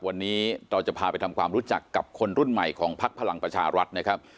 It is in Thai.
วันนี้เราจะพาไปทำความรู้จักกับคนรุ่นใหม่ของพักพลังประชารัฐนะครับ